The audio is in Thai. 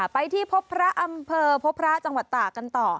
ไปที่พบพระอำเภอพบพระจังหวัดตากกันต่อ